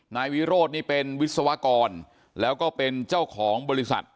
นายวิโรธนี่เป็นวิศวกรแล้วก็เป็นเจ้าของบริษัท